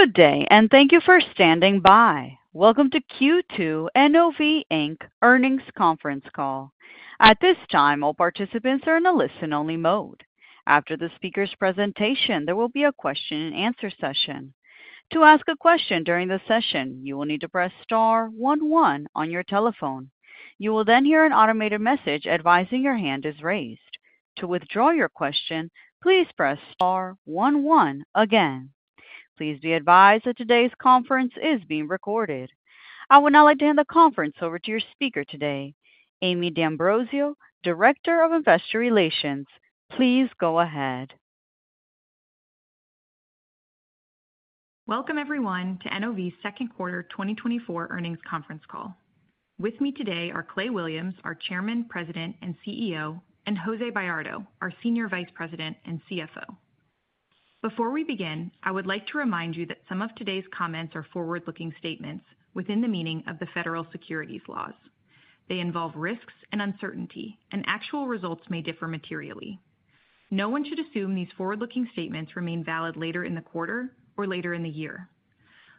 Good day, and thank you for standing by. Welcome to Q2 NOV Inc. Earnings Conference Call. At this time, all participants are in a listen-only mode. After the speaker's presentation, there will be a question-and-answer session. To ask a question during the session, you will need to press star one one on your telephone. You will then hear an automated message advising your hand is raised. To withdraw your question, please press star one one again. Please be advised that today's conference is being recorded. I would now like to hand the conference over to your speaker today, Amie D'Ambrosio, Director of Investor Relations. Please go ahead. Welcome, everyone, to NOV's second quarter 2024 earnings conference call. With me today are Clay Williams, our Chairman, President, and CEO, and Jose Bayardo, our Senior Vice President and CFO. Before we begin, I would like to remind you that some of today's comments are forward-looking statements within the meaning of the federal securities laws. They involve risks and uncertainty, and actual results may differ materially. No one should assume these forward-looking statements remain valid later in the quarter or later in the year.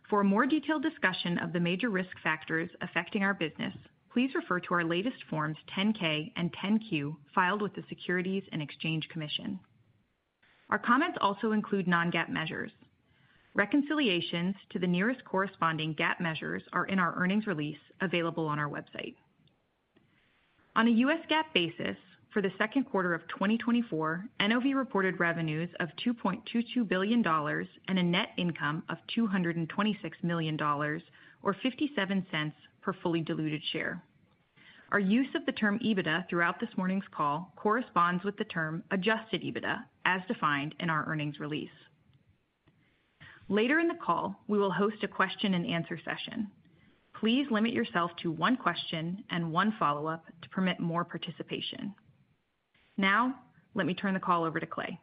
For a more detailed discussion of the major risk factors affecting our business, please refer to our latest Forms 10-K and 10-Q filed with the Securities and Exchange Commission. Our comments also include non-GAAP measures. Reconciliations to the nearest corresponding GAAP measures are in our earnings release, available on our website. On a U.S. GAAP basis, for the second quarter of 2024, NOV reported revenues of $2.22 billion and a net income of $226 million, or $0.57 per fully diluted share. Our use of the term EBITDA throughout this morning's call corresponds with the term adjusted EBITDA, as defined in our earnings release. Later in the call, we will host a question-and-answer session. Please limit yourself to one question and one follow-up to permit more participation. Now, let me turn the call over to Clay.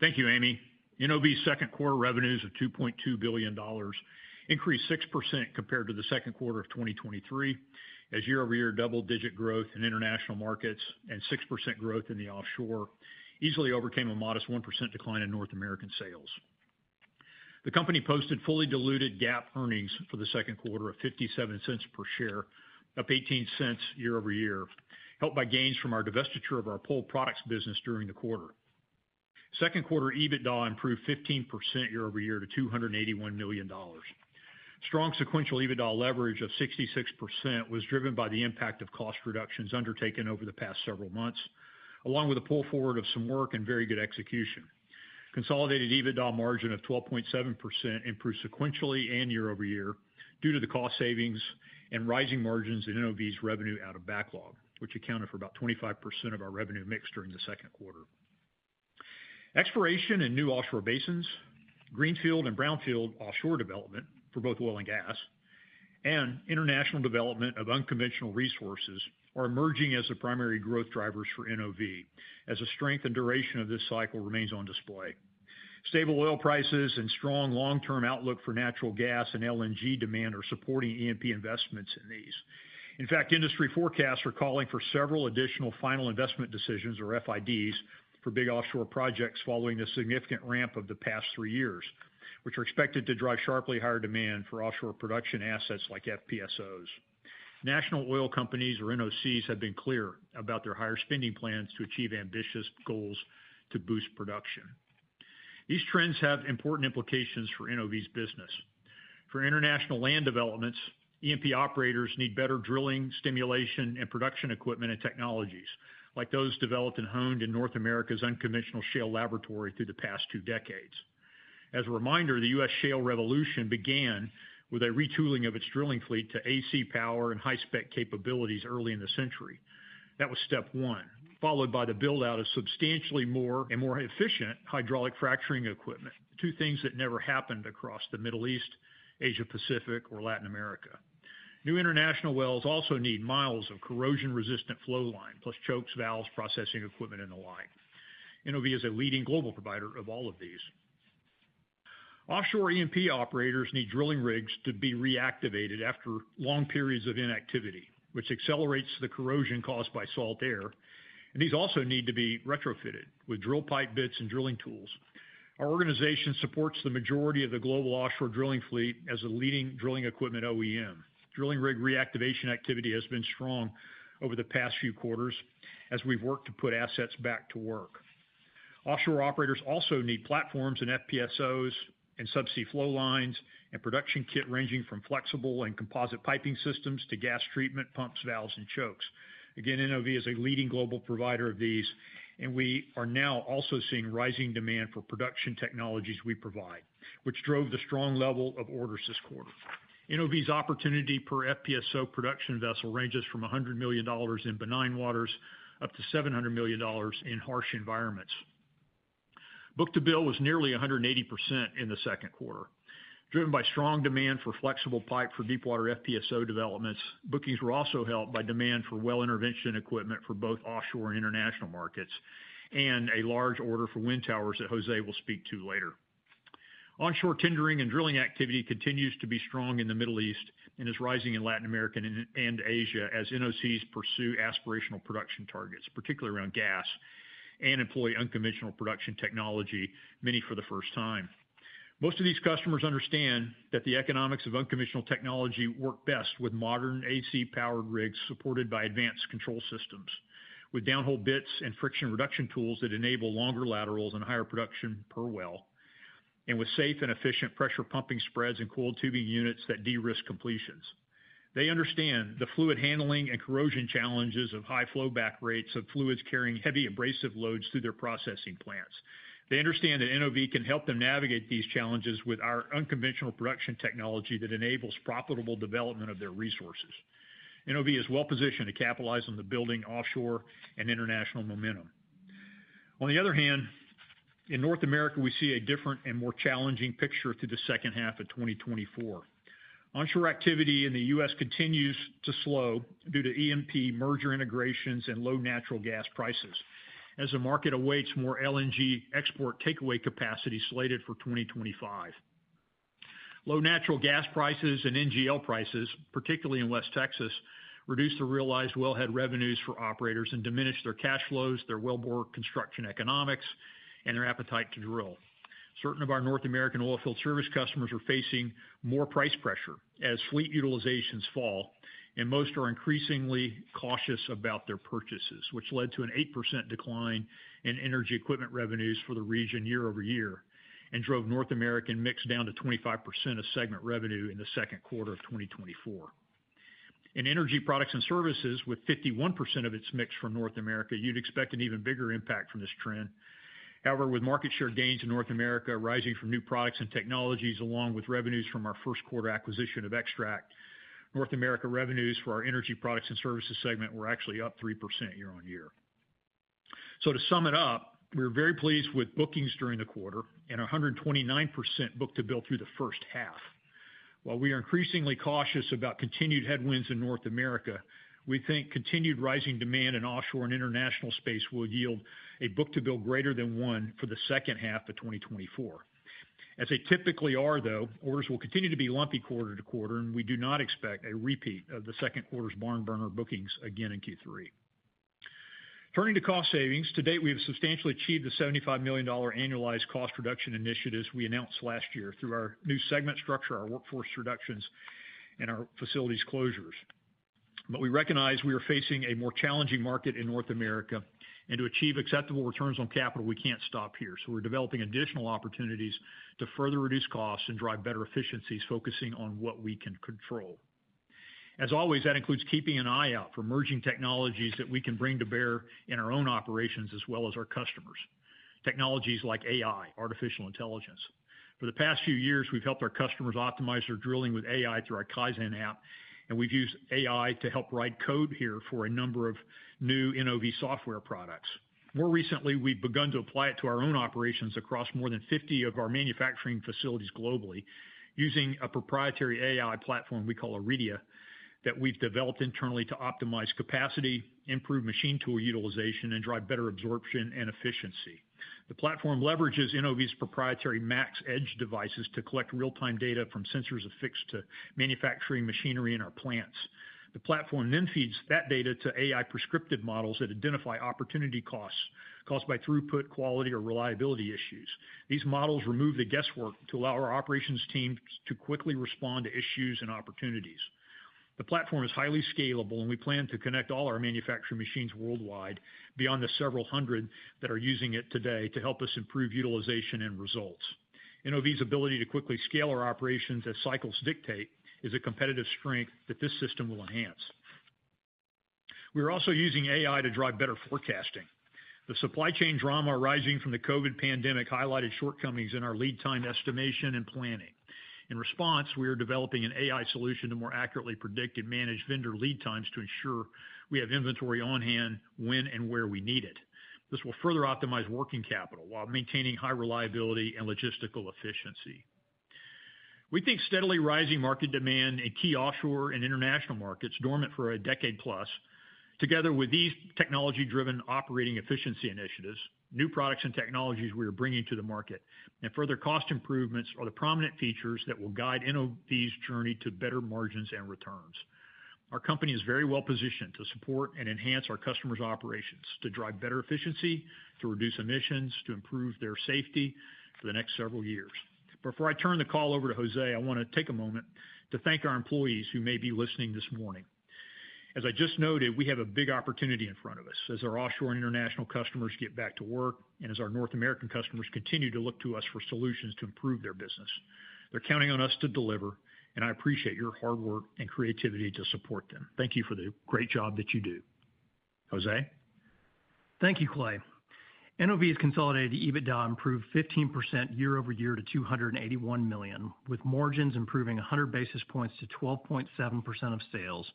Thank you, Amie. NOV's second quarter revenues of $2.2 billion increased 6% compared to the second quarter of 2023, as year-over-year double-digit growth in international markets and 6% growth in the offshore easily overcame a modest 1% decline in North American sales. The company posted fully diluted GAAP earnings for the second quarter of $0.57 per share, up $0.18 year-over-year, helped by gains from our divestiture of our Pole Products business during the quarter. Second quarter EBITDA improved 15% year-over-year to $281 million. Strong sequential EBITDA leverage of 66% was driven by the impact of cost reductions undertaken over the past several months, along with a pull forward of some work and very good execution. Consolidated EBITDA margin of 12.7% improved sequentially and year-over-year due to the cost savings and rising margins in NOV's revenue out of backlog, which accounted for about 25% of our revenue mix during the second quarter. Expansion in new offshore basins, greenfield and brownfield offshore development for both oil and gas, and international development of unconventional resources are emerging as the primary growth drivers for NOV, as the strength and duration of this cycle remains on display. Stable oil prices and strong long-term outlook for natural gas and LNG demand are supporting E&P investments in these. In fact, industry forecasts are calling for several additional final investment decisions, or FIDs, for big offshore projects following the significant ramp of the past three years, which are expected to drive sharply higher demand for offshore production assets like FPSOs. National oil companies, or NOCs, have been clear about their higher spending plans to achieve ambitious goals to boost production. These trends have important implications for NOV's business. For international land developments, E&P operators need better drilling, stimulation, and production equipment and technologies, like those developed and honed in North America's unconventional shale laboratory through the past two decades. As a reminder, the U.S. shale revolution began with a retooling of its drilling fleet to AC power and high-spec capabilities early in the century. That was step one, followed by the build-out of substantially more and more efficient hydraulic fracturing equipment, two things that never happened across the Middle East, Asia Pacific, or Latin America. New international wells also need miles of corrosion-resistant flow line, plus chokes, valves, processing equipment in the line. NOV is a leading global provider of all of these. Offshore E&P operators need drilling rigs to be reactivated after long periods of inactivity, which accelerates the corrosion caused by salt air, and these also need to be retrofitted with drill pipe, bits and drilling tools. Our organization supports the majority of the global offshore drilling fleet as a leading drilling equipment OEM. Drilling rig reactivation activity has been strong over the past few quarters as we've worked to put assets back to work. Offshore operators also need platforms and FPSOs and subsea flow lines and production kit, ranging from flexible and composite piping systems to gas treatment, pumps, valves, and chokes. Again, NOV is a leading global provider of these, and we are now also seeing rising demand for production technologies we provide, which drove the strong level of orders this quarter. NOV's opportunity per FPSO production vessel ranges from $100 million in benign waters up to $700 million in harsh environments. Book-to-bill was nearly 180% in the second quarter, driven by strong demand for flexible pipe for deepwater FPSO developments. Bookings were also helped by demand for well intervention equipment for both offshore and international markets, and a large order for wind towers that Jose will speak to later. Onshore tendering and drilling activity continues to be strong in the Middle East and is rising in Latin America and Asia as NOCs pursue aspirational production targets, particularly around gas, and employ unconventional production technology, many for the first time. Most of these customers understand that the economics of unconventional technology work best with modern AC-powered rigs, supported by advanced control systems, with downhole bits and friction reduction tools that enable longer laterals and higher production per well, and with safe and efficient pressure pumping spreads and coiled tubing units that de-risk completions. They understand the fluid handling and corrosion challenges of high flowback rates of fluids carrying heavy abrasive loads through their processing plants. They understand that NOV can help them navigate these challenges with our unconventional production technology that enables profitable development of their resources. NOV is well positioned to capitalize on the building offshore and international momentum. On the other hand, in North America, we see a different and more challenging picture through the second half of 2024. Onshore activity in the U.S. continues to slow due to E&P merger integrations and low natural gas prices, as the market awaits more LNG export takeaway capacity slated for 2025. Low natural gas prices and NGL prices, particularly in West Texas, reduce the realized wellhead revenues for operators and diminish their cash flows, their wellbore construction economics, and their appetite to drill. Certain of our North American oilfield service customers are facing more price pressure as fleet utilizations fall, and most are increasingly cautious about their purchases, which led to an 8% decline in energy equipment revenues for the region year-over-year, and drove North American mix down to 25% of segment revenue in the second quarter of 2024. In energy products and services, with 51% of its mix from North America, you'd expect an even bigger impact from this trend. However, with market share gains in North America rising from new products and technologies, along with revenues from our first quarter acquisition of Extract, North America revenues for our energy products and services segment were actually up 3% year on year. So to sum it up, we're very pleased with bookings during the quarter and a 129% book-to-bill through the first half. While we are increasingly cautious about continued headwinds in North America, we think continued rising demand in offshore and international space will yield a book-to-bill greater than one for the second half of 2024. As they typically are, though, orders will continue to be lumpy quarter to quarter, and we do not expect a repeat of the second quarter's barn burner bookings again in Q3. Turning to cost savings, to date, we have substantially achieved the $75 million annualized cost reduction initiatives we announced last year through our new segment structure, our workforce reductions, and our facilities closures. But we recognize we are facing a more challenging market in North America, and to achieve acceptable returns on capital, we can't stop here. So we're developing additional opportunities to further reduce costs and drive better efficiencies, focusing on what we can control. As always, that includes keeping an eye out for emerging technologies that we can bring to bear in our own operations, as well as our customers. Technologies like AI, artificial intelligence. For the past few years, we've helped our customers optimize their drilling with AI through our Kaizen app, and we've used AI to help write code here for a number of new NOV software products. More recently, we've begun to apply it to our own operations across more than 50 of our manufacturing facilities globally, using a proprietary AI platform we call Auredia, that we've developed internally to optimize capacity, improve machine tool utilization, and drive better absorption and efficiency. The platform leverages NOV's proprietary MaxEdge devices to collect real-time data from sensors affixed to manufacturing machinery in our plants. The platform then feeds that data to AI prescriptive models that identify opportunity costs, caused by throughput, quality or reliability issues. These models remove the guesswork to allow our operations teams to quickly respond to issues and opportunities. The platform is highly scalable, and we plan to connect all our manufacturing machines worldwide beyond the several hundred that are using it today to help us improve utilization and results. NOV's ability to quickly scale our operations as cycles dictate, is a competitive strength that this system will enhance. We're also using AI to drive better forecasting. The supply chain drama arising from the COVID pandemic highlighted shortcomings in our lead time estimation and planning. In response, we are developing an AI solution to more accurately predict and manage vendor lead times to ensure we have inventory on hand when and where we need it. This will further optimize working capital while maintaining high reliability and logistical efficiency. We think steadily rising market demand in key offshore and international markets, dormant for a decade plus, together with these technology-driven operating efficiency initiatives, new products and technologies we are bringing to the market, and further cost improvements, are the prominent features that will guide NOV's journey to better margins and returns. Our company is very well positioned to support and enhance our customers' operations, to drive better efficiency, to reduce emissions, to improve their safety for the next several years. Before I turn the call over to Jose, I want to take a moment to thank our employees who may be listening this morning. As I just noted, we have a big opportunity in front of us as our offshore and international customers get back to work, and as our North American customers continue to look to us for solutions to improve their business. They're counting on us to deliver, and I appreciate your hard work and creativity to support them. Thank you for the great job that you do. Jose? Thank you, Clay. NOV's consolidated EBITDA improved 15% year-over-year to $281 million, with margins improving 100 basis points to 12.7% of sales,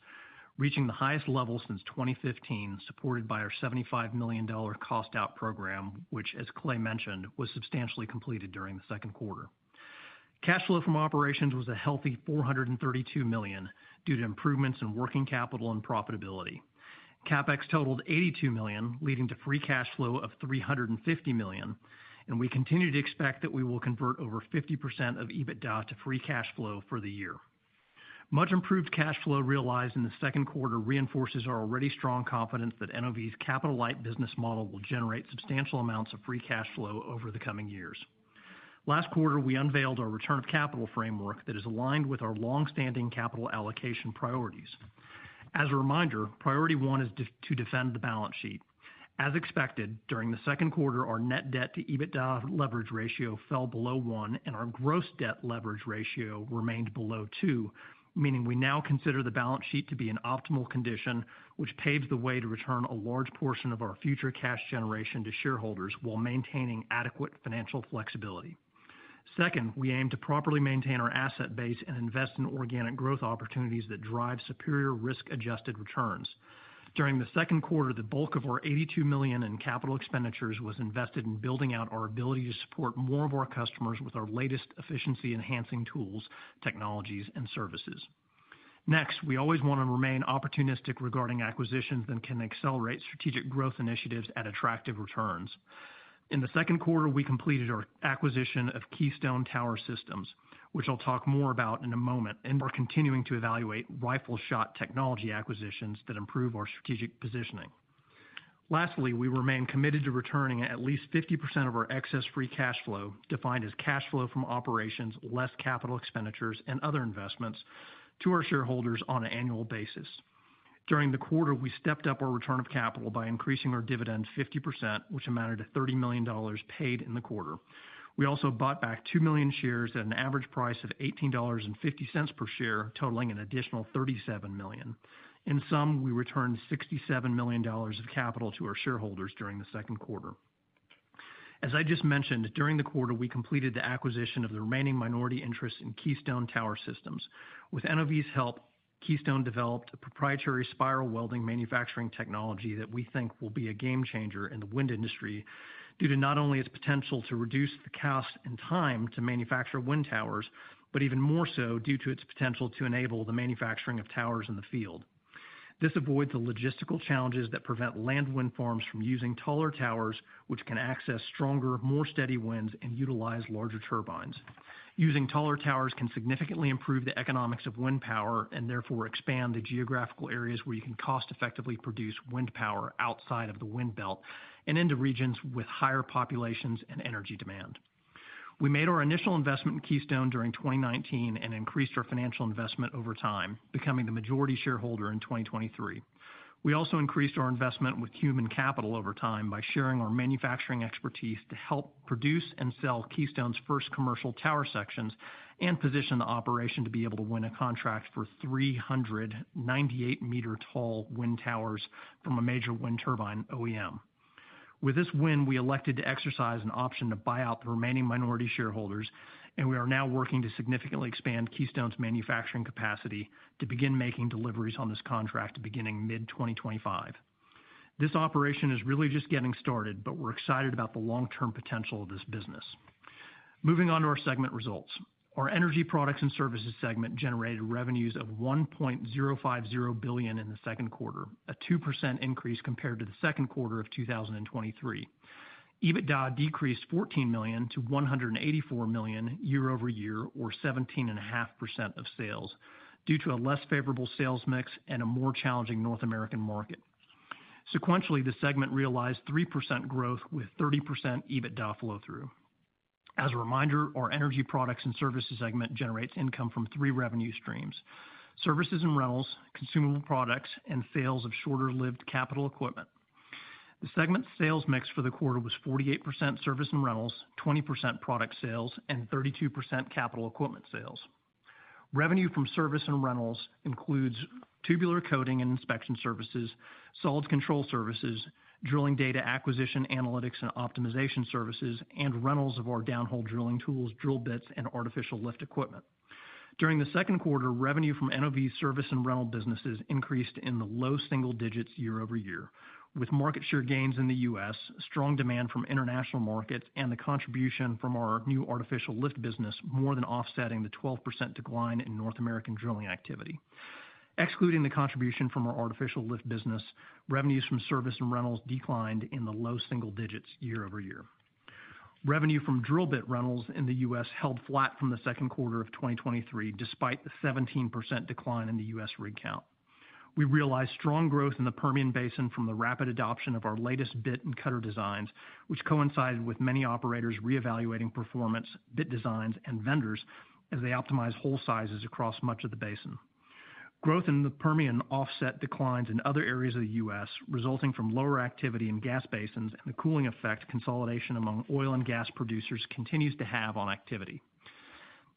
reaching the highest level since 2015, supported by our $75 million cost-out program, which, as Clay mentioned, was substantially completed during the second quarter. Cash flow from operations was a healthy $432 million, due to improvements in working capital and profitability. CapEx totaled $82 million, leading to free cash flow of $350 million, and we continue to expect that we will convert over 50% of EBITDA to free cash flow for the year. Much improved cash flow realized in the second quarter reinforces our already strong confidence that NOV's capital-light business model will generate substantial amounts of free cash flow over the coming years. Last quarter, we unveiled our return of capital framework that is aligned with our long-standing capital allocation priorities. As a reminder, priority one is debt to defend the balance sheet. As expected, during the second quarter, our net debt to EBITDA leverage ratio fell below one, and our gross debt leverage ratio remained below two, meaning we now consider the balance sheet to be in optimal condition, which paves the way to return a large portion of our future cash generation to shareholders while maintaining adequate financial flexibility. Second, we aim to properly maintain our asset base and invest in organic growth opportunities that drive superior risk-adjusted returns. During the second quarter, the bulk of our $82 million in capital expenditures was invested in building out our ability to support more of our customers with our latest efficiency-enhancing tools, technologies, and services. Next, we always want to remain opportunistic regarding acquisitions and can accelerate strategic growth initiatives at attractive returns. In the second quarter, we completed our acquisition of Keystone Tower Systems, which I'll talk more about in a moment, and we're continuing to evaluate rifle shot technology acquisitions that improve our strategic positioning. Lastly, we remain committed to returning at least 50% of our excess free cash flow, defined as cash flow from operations, less capital expenditures and other investments, to our shareholders on an annual basis. During the quarter, we stepped up our return of capital by increasing our dividend 50%, which amounted to $30 million paid in the quarter. We also bought back two million shares at an average price of $18.50 per share, totaling an additional $37 million. In sum, we returned $67 million of capital to our shareholders during the second quarter. As I just mentioned, during the quarter, we completed the acquisition of the remaining minority interest in Keystone Tower Systems. With NOV's help, Keystone developed a proprietary spiral welding manufacturing technology that we think will be a game changer in the wind industry, due to not only its potential to reduce the cost and time to manufacture wind towers, but even more so, due to its potential to enable the manufacturing of towers in the field. This avoids the logistical challenges that prevent land wind farms from using taller towers, which can access stronger, more steady winds and utilize larger turbines. Using taller towers can significantly improve the economics of wind power and therefore expand the geographical areas where you can cost-effectively produce wind power outside of the wind belt and into regions with higher populations and energy demand. We made our initial investment in Keystone during 2019 and increased our financial investment over time, becoming the majority shareholder in 2023. We also increased our investment with human capital over time by sharing our manufacturing expertise to help produce and sell Keystone's first commercial tower sections and position the operation to be able to win a contract for 398-meter-tall wind towers from a major wind turbine OEM. With this win, we elected to exercise an option to buy out the remaining minority shareholders, and we are now working to significantly expand Keystone's manufacturing capacity to begin making deliveries on this contract beginning mid-2025. This operation is really just getting started, but we're excited about the long-term potential of this business. Moving on to our segment results. Our energy products and services segment generated revenues of $1.050 billion in the second quarter, a 2% increase compared to the second quarter of 2023. EBITDA decreased $14 million to $184 million year-over-year, or 17.5% of sales, due to a less favorable sales mix and a more challenging North American market. Sequentially, the segment realized 3% growth, with 30% EBITDA flow through. As a reminder, our energy products and services segment generates income from three revenue streams: services and rentals, consumable products, and sales of shorter-lived capital equipment. The segment's sales mix for the quarter was 48% service and rentals, 20% product sales, and 32% capital equipment sales. Revenue from service and rentals includes tubular coating and inspection services, solids control services, drilling data acquisition, analytics and optimization services, and rentals of our downhole drilling tools, drill bits, and artificial lift equipment. During the second quarter, revenue from NOV service and rental businesses increased in the low single digits year-over-year, with market share gains in the U.S., strong demand from international markets, and the contribution from our new artificial lift business more than offsetting the 12% decline in North American drilling activity. Excluding the contribution from our artificial lift business, revenues from service and rentals declined in the low single digits year-over-year. Revenue from drill bit rentals in the U.S. held flat from the second quarter of 2023, despite the 17% decline in the U.S. rig count. We realized strong growth in the Permian Basin from the rapid adoption of our latest bit and cutter designs, which coincided with many operators reevaluating performance, bit designs, and vendors as they optimize hole sizes across much of the basin. Growth in the Permian offset declines in other areas of the U.S., resulting from lower activity in gas basins and the cooling effect consolidation among oil and gas producers continues to have on activity.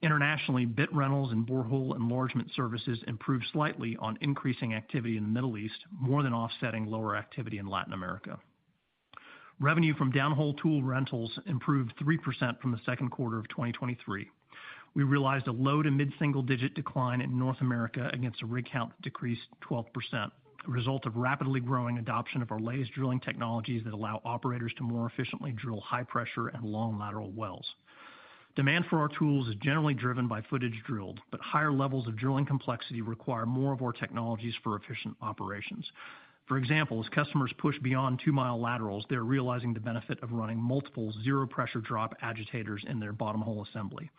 Internationally, bit rentals and borehole enlargement services improved slightly on increasing activity in the Middle East, more than offsetting lower activity in Latin America. Revenue from downhole tool rentals improved 3% from the second quarter of 2023. We realized a low- to mid-single-digit decline in North America against a rig count that decreased 12%, a result of rapidly growing adoption of our latest drilling technologies that allow operators to more efficiently drill high-pressure and long lateral wells. Demand for our tools is generally driven by footage drilled, but higher levels of drilling complexity require more of our technologies for efficient operations. For example, as customers push beyond two-mile laterals, they're realizing the benefit of running multiple zero pressure drop agitators in their bottom hole assembly.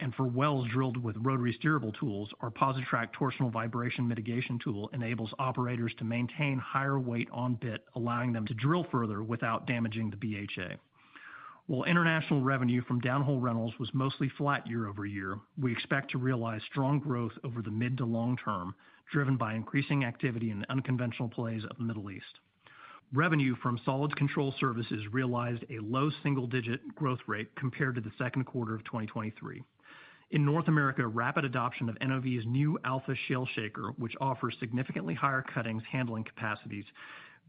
And for wells drilled with rotary steerable tools, our PosiTrack torsional vibration mitigation tool enables operators to maintain higher weight on bit, allowing them to drill further without damaging the BHA. While international revenue from downhole rentals was mostly flat year-over-year, we expect to realize strong growth over the mid to long term, driven by increasing activity in the unconventional plays of the Middle East. Revenue from solids control services realized a low single-digit growth rate compared to the second quarter of 2023. In North America, rapid adoption of NOV's new Alpha Shale Shaker, which offers significantly higher cuttings handling capacities,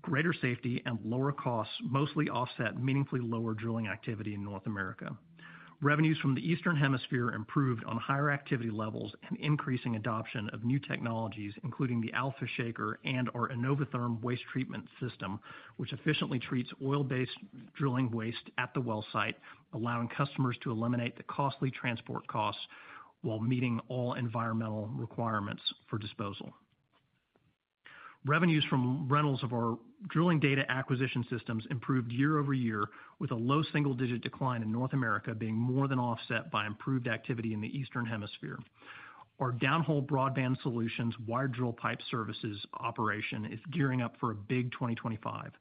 greater safety, and lower costs, mostly offset meaningfully lower drilling activity in North America. Revenues from the Eastern Hemisphere improved on higher activity levels and increasing adoption of new technologies, including the Alpha Shaker and our iNOVaTHERM waste treatment system, which efficiently treats oil-based drilling waste at the well site, allowing customers to eliminate the costly transport costs while meeting all environmental requirements for disposal. Revenues from rentals of our drilling data acquisition systems improved year-over-year, with a low single-digit decline in North America being more than offset by improved activity in the eastern hemisphere. Our Downhole Broadband Solutions wired drill pipe services operation is gearing up for a big 2025.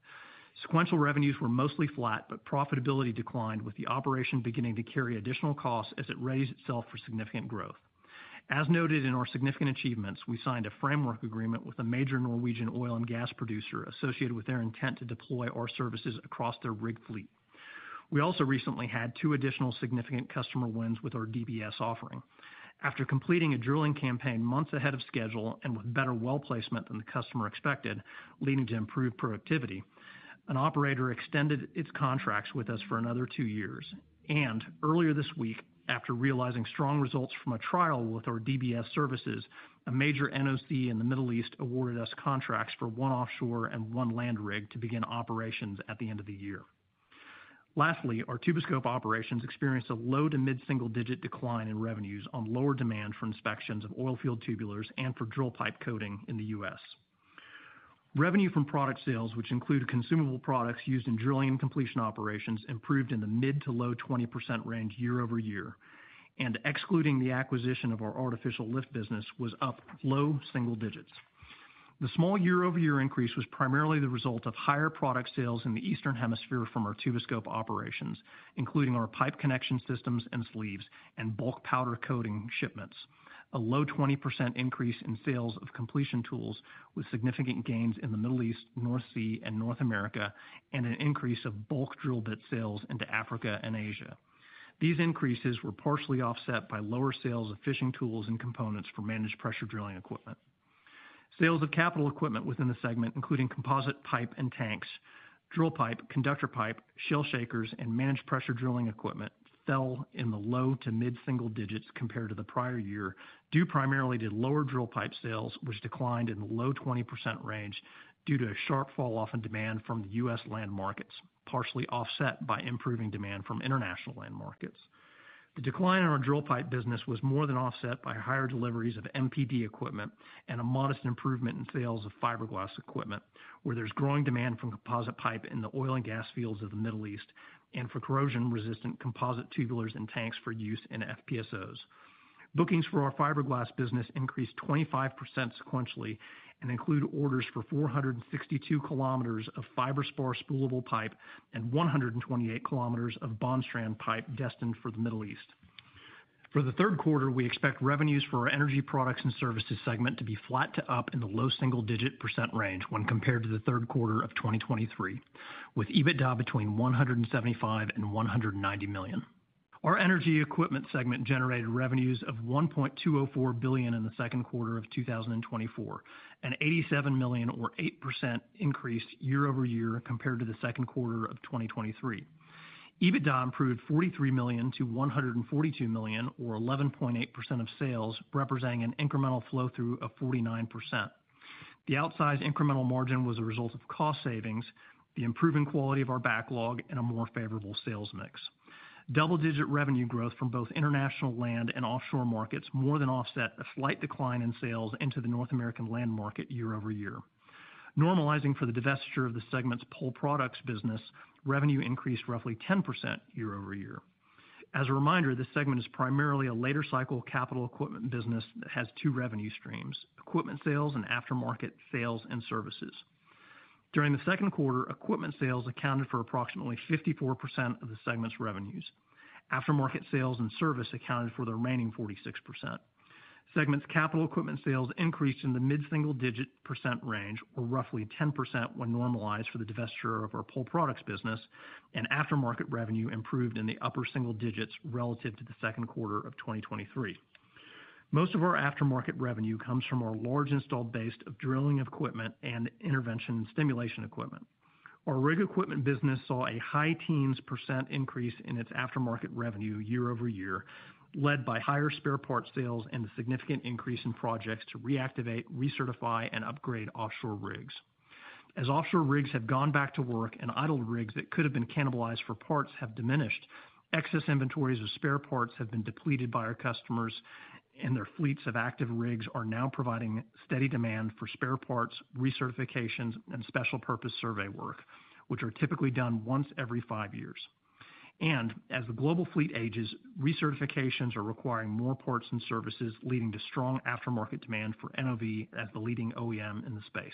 Sequential revenues were mostly flat, but profitability declined, with the operation beginning to carry additional costs as it raised itself for significant growth. As noted in our significant achievements, we signed a framework agreement with a major Norwegian oil and gas producer associated with their intent to deploy our services across their rig fleet. We also recently had two additional significant customer wins with our DBS offering. After completing a drilling campaign months ahead of schedule and with better well placement than the customer expected, leading to improved productivity, an operator extended its contracts with us for another two years. And earlier this week, after realizing strong results from a trial with our DBS services, a major NOC in the Middle East awarded us contracts for one offshore and one land rig to begin operations at the end of the year. Lastly, our Tuboscope operations experienced a low- to mid-single-digit decline in revenues on lower demand for inspections of oil field tubulars and for drill pipe coating in the U.S. Revenue from product sales, which include consumable products used in drilling and completion operations, improved in the mid- to low-20% range year-over-year, and excluding the acquisition of our artificial lift business, was up low single digits. The small year-over-year increase was primarily the result of higher product sales in the eastern hemisphere from our Tuboscope operations, including our pipe connection systems and sleeves and bulk powder coating shipments. A low 20% increase in sales of completion tools with significant gains in the Middle East, North Sea, and North America, and an increase of bulk drill bit sales into Africa and Asia. These increases were partially offset by lower sales of fishing tools and components for managed pressure drilling equipment. Sales of capital equipment within the segment, including composite pipe and tanks, drill pipe, conductor pipe, shale shakers, and managed pressure drilling equipment, fell in the low- to mid-single digits compared to the prior year, due primarily to lower drill pipe sales, which declined in the low 20% range due to a sharp falloff in demand from the U.S. land markets, partially offset by improving demand from international land markets. The decline in our drill pipe business was more than offset by higher deliveries of MPD equipment and a modest improvement in sales of fiberglass equipment, where there's growing demand from composite pipe in the oil and gas fields of the Middle East, and for corrosion-resistant composite tubulars and tanks for use in FPSOs. Bookings for our fiberglass business increased 25% sequentially and include orders for 462 km of Fiberspar spoolable pipe and 128 kilometers of Bondstrand pipe destined for the Middle East. For the third quarter, we expect revenues for our energy products and services segment to be flat to up in the low single-digit % range when compared to the third quarter of 2023, with EBITDA between $175 million and $190 million. Our Energy Equipment segment generated revenues of $1.204 billion in the second quarter of 2024, an $87 million or 8% increase year-over-year compared to the second quarter of 2023. EBITDA improved $43 million-$142 million, or 11.8% of sales, representing an incremental flow-through of 49%. The outsized incremental margin was a result of cost savings, the improving quality of our backlog, and a more favorable sales mix. Double-digit revenue growth from both international land and offshore markets more than offset a slight decline in sales into the North American land market year-over-year. Normalizing for the divestiture of the segment's pull products business, revenue increased roughly 10% year-over-year. As a reminder, this segment is primarily a later cycle capital equipment business that has two revenue streams, equipment sales and aftermarket sales and services. During the second quarter, equipment sales accounted for approximately 54% of the segment's revenues. Aftermarket sales and service accounted for the remaining 46%. Segment's capital equipment sales increased in the mid-single digit percent range, or roughly 10% when normalized for the divestiture of our pull products business, and aftermarket revenue improved in the upper single digits relative to the second quarter of 2023. Most of our aftermarket revenue comes from our large installed base of drilling equipment and intervention and stimulation equipment. Our rig equipment business saw a high teens percent increase in its aftermarket revenue year-over-year, led by higher spare parts sales and a significant increase in projects to reactivate, recertify, and upgrade offshore rigs. As offshore rigs have gone back to work and idled rigs that could have been cannibalized for parts have diminished, excess inventories of spare parts have been depleted by our customers, and their fleets of active rigs are now providing steady demand for spare parts, recertifications, and special purpose survey work, which are typically done once every five years. As the global fleet ages, recertifications are requiring more parts and services, leading to strong aftermarket demand for NOV as the leading OEM in the space.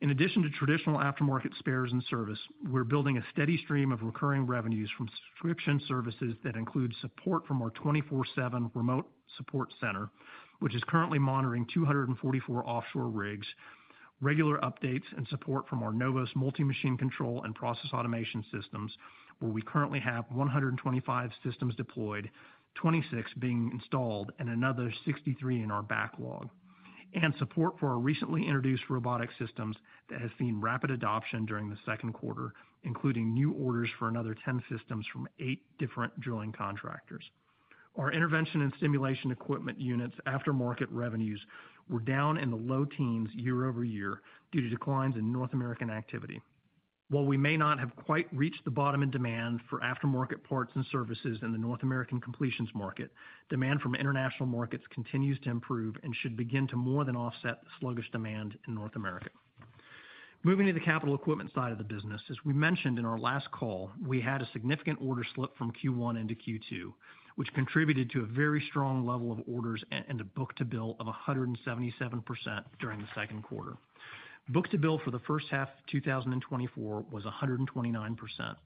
In addition to traditional aftermarket spares and service, we're building a steady stream of recurring revenues from subscription services that include support from our 24/7 remote support center, which is currently monitoring 244 offshore rigs, regular updates and support from our NOVOS multi-machine control and process automation systems, where we currently have 125 systems deployed, 26 being installed and another 63 in our backlog. Support for our recently introduced robotic systems that has seen rapid adoption during the second quarter, including new orders for another 10 systems from eight different drilling contractors. Our intervention and stimulation equipment units' aftermarket revenues were down in the low teens year-over-year due to declines in North American activity. While we may not have quite reached the bottom in demand for aftermarket parts and services in the North American completions market, demand from international markets continues to improve and should begin to more than offset the sluggish demand in North America. Moving to the capital equipment side of the business, as we mentioned in our last call, we had a significant order slip from Q1 into Q2, which contributed to a very strong level of orders and a book-to-bill of 177% during the second quarter. Book-to-bill for the first half of 2024 was 129%.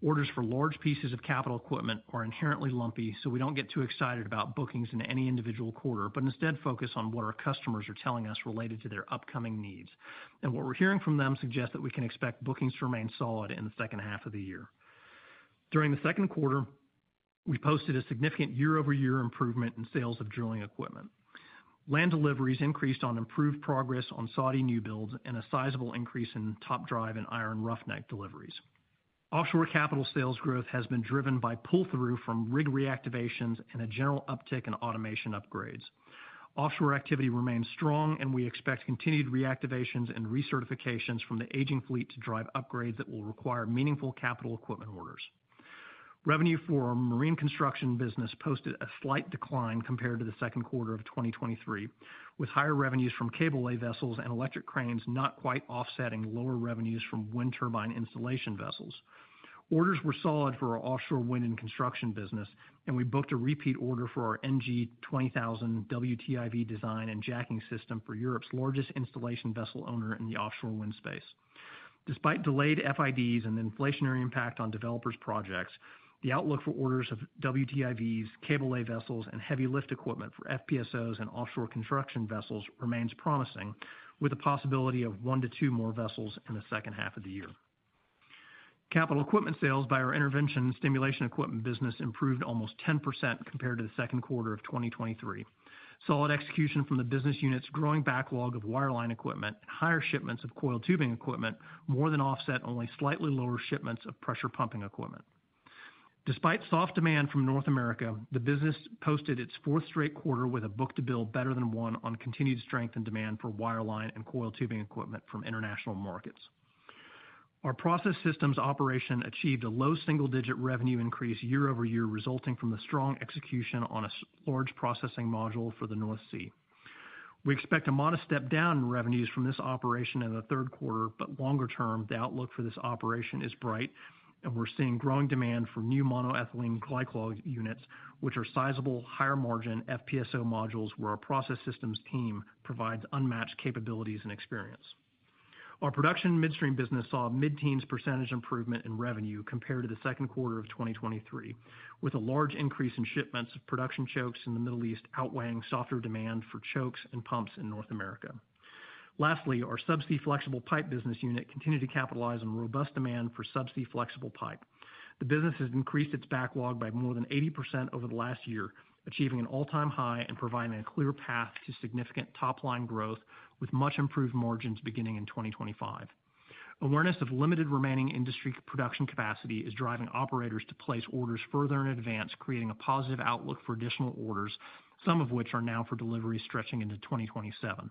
Orders for large pieces of capital equipment are inherently lumpy, so we don't get too excited about bookings in any individual quarter but instead focus on what our customers are telling us related to their upcoming needs. What we're hearing from them suggests that we can expect bookings to remain solid in the second half of the year. During the second quarter, we posted a significant year-over-year improvement in sales of drilling equipment. Land deliveries increased on improved progress on Saudi new builds and a sizable increase in top drive and iron roughneck deliveries. Offshore capital sales growth has been driven by pull-through from rig reactivations and a general uptick in automation upgrades. Offshore activity remains strong, and we expect continued reactivations and recertifications from the aging fleet to drive upgrades that will require meaningful capital equipment orders. Revenue for our marine construction business posted a slight decline compared to the second quarter of 2023, with higher revenues from cable-lay vessels and electric cranes, not quite offsetting lower revenues from wind turbine installation vessels. Orders were solid for our offshore wind and construction business, and we booked a repeat order for our NG-20000 WTIV design and jacking system for Europe's largest installation vessel owner in the offshore wind space. Despite delayed FIDs and the inflationary impact on developers' projects, the outlook for orders of WTIVs, cable-lay vessels and heavy lift equipment for FPSOs and offshore construction vessels remains promising, with the possibility of one to two more vessels in the second half of the year. Capital equipment sales by our intervention and stimulation equipment business improved almost 10% compared to the second quarter of 2023. Solid execution from the business unit's growing backlog of wireline equipment and higher shipments of coiled tubing equipment more than offset only slightly lower shipments of pressure pumping equipment. Despite soft demand from North America, the business posted its fourth straight quarter with a book-to-bill better than one on continued strength and demand for wireline and coiled tubing equipment from international markets. Our process systems operation achieved a low single-digit revenue increase year-over-year, resulting from the strong execution on a large processing module for the North Sea. We expect a modest step down in revenues from this operation in the third quarter, but longer term, the outlook for this operation is bright, and we're seeing growing demand for new monoethylene glycol units, which are sizable, higher-margin FPSO modules, where our process systems team provides unmatched capabilities and experience. Our production midstream business saw a mid-teens percent improvement in revenue compared to the second quarter of 2023, with a large increase in shipments of production chokes in the Middle East, outweighing softer demand for chokes and pumps in North America. Lastly, our subsea flexible pipe business unit continued to capitalize on robust demand for subsea flexible pipe. The business has increased its backlog by more than 80% over the last year, achieving an all-time high and providing a clear path to significant top-line growth with much improved margins beginning in 2025. Awareness of limited remaining industry production capacity is driving operators to place orders further in advance, creating a positive outlook for additional orders, some of which are now for delivery stretching into 2027.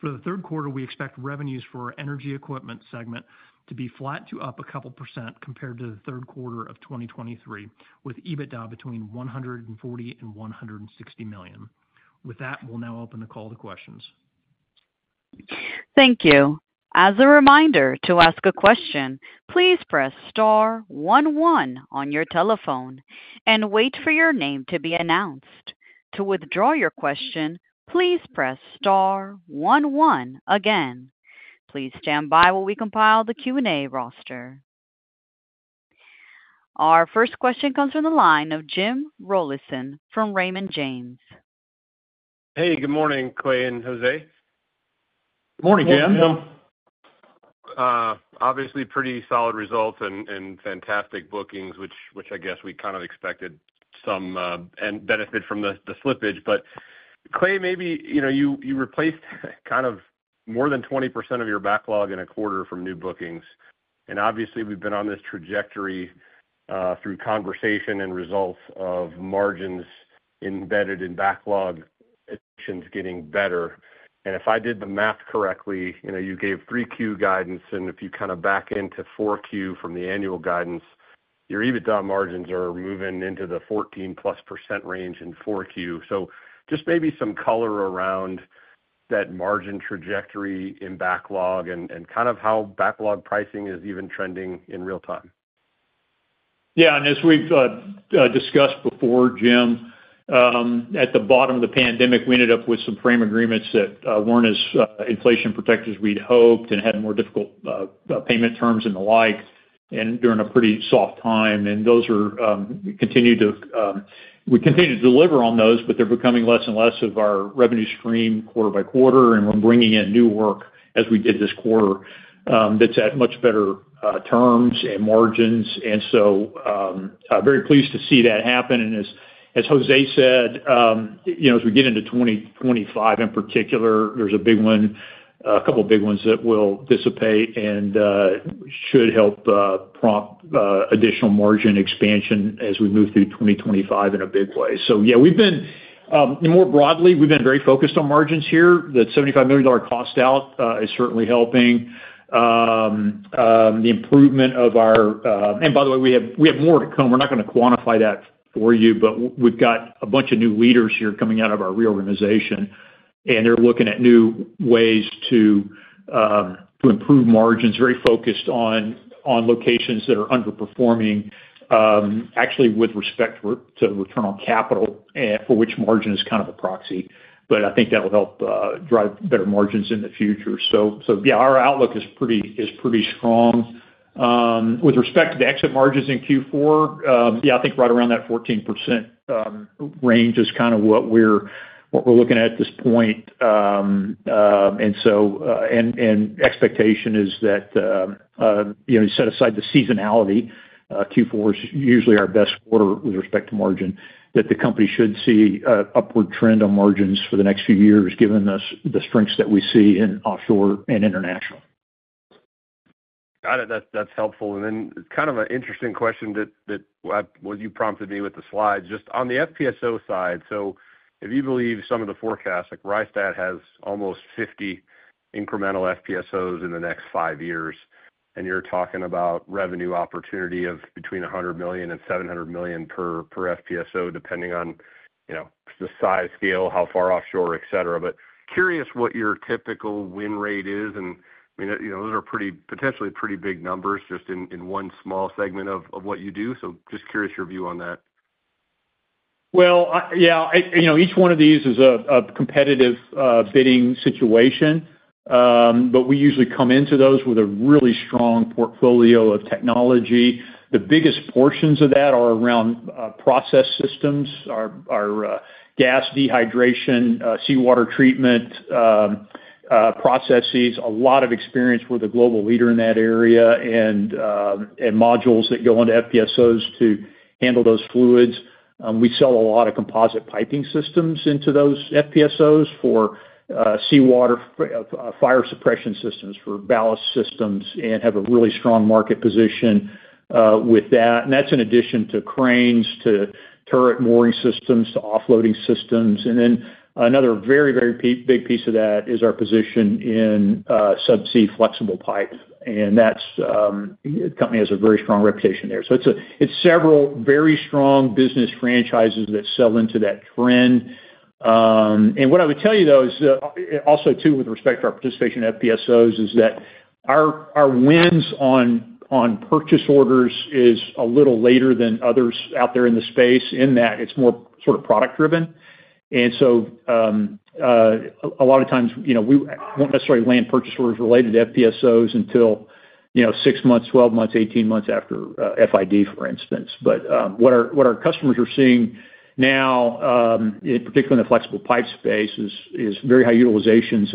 For the third quarter, we expect revenues for our energy equipment segment to be flat to up a couple% compared to the third quarter of 2023, with EBITDA between $140 million and $160 million. With that, we'll now open the call to questions. Thank you. As a reminder, to ask a question, please press star one one on your telephone and wait for your name to be announced. To withdraw your question, please press star one one again. Please stand by while we compile the Q&A roster. Our first question comes from the line of Jim Rollyson from Raymond James. Hey, good morning, Clay and Jose. Good morning, Jim. Good morning. Obviously, pretty solid results and fantastic bookings, which I guess we kind of expected some and benefit from the slippage. But Clay, maybe, you know, you replaced kind of more than 20% of your backlog in a quarter from new bookings. And obviously, we've been on this trajectory through conversation and results of margins embedded in backlog actions getting better. And if I did the math correctly, you know, you gave 3Q guidance, and if you kind of back into 4Q from the annual guidance, your EBITDA margins are moving into the 14%+ range in 4Q. So just maybe some color around that margin trajectory in backlog and kind of how backlog pricing is even trending in real time. Yeah, and as we've discussed before, Jim, at the bottom of the pandemic, we ended up with some frame agreements that weren't as inflation protected as we'd hoped and had more difficult payment terms and the like, and during a pretty soft time. And we continue to deliver on those, but they're becoming less and less of our revenue stream quarter by quarter, and we're bringing in new work as we did this quarter, that's at much better terms and margins. And so, very pleased to see that happen. And as Jose said, you know, as we get into 2025 in particular, there's a big one, a couple of big ones that will dissipate and should help prompt additional margin expansion as we move through 2025 in a big way. So yeah, we've been, more broadly, we've been very focused on margins here. That $75 million cost out is certainly helping. The improvement of our. And by the way, we have more to come. We're not gonna quantify that for you, but we've got a bunch of new leaders here coming out of our reorganization, and they're looking at new ways to improve margins, very focused on locations that are underperforming, actually, with respect to return on capital, for which margin is kind of a proxy. But I think that'll help drive better margins in the future. So yeah, our outlook is pretty strong. With respect to the exit margins in Q4, yeah, I think right around that 14% range is kind of what we're looking at this point. And so, and expectation is that, you know, set aside the seasonality, Q4 is usually our best quarter with respect to margin, that the company should see upward trend on margins for the next few years, given the strengths that we see in offshore and international. Got it. That's helpful. And then kind of an interesting question that well, you prompted me with the slides, just on the FPSO side. So if you believe some of the forecasts, like Rystad has almost 50 incremental FPSOs in the next five years, and you're talking about revenue opportunity of between $100 million and $700 million per FPSO, depending on, you know, the size, scale, how far offshore, et cetera. But curious what your typical win rate is, and, I mean, you know, those are pretty, potentially pretty big numbers just in one small segment of what you do. So just curious your view on that. Well, yeah, you know, each one of these is a competitive bidding situation, but we usually come into those with a really strong portfolio of technology. The biggest portions of that are around process systems, our gas dehydration, seawater treatment processes, a lot of experience with a global leader in that area and modules that go into FPSOs to handle those fluids. We sell a lot of composite piping systems into those FPSOs for seawater fire suppression systems, for ballast systems, and have a really strong market position with that. And that's in addition to cranes, to turret mooring systems, to offloading systems. And then another very big piece of that is our position in subsea flexible pipe, and that's the company has a very strong reputation there. So it's several very strong business franchises that sell into that trend. And what I would tell you, though, is also, too, with respect to our participation in FPSOs, is that our wins on purchase orders is a little later than others out there in the space, in that it's more sort of product driven. And so a lot of times, you know, we won't necessarily land purchase orders related to FPSOs until, you know, six months, 12 months, 18 months after FID, for instance. But what our customers are seeing now, particularly in the flexible pipe space, is very high utilizations